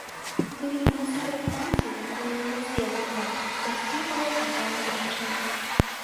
Ды і насуперак маці, якую ўжо зведаў я, пайсці было амаль немагчыма.